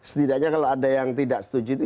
setidaknya kalau ada yang tidak setuju itu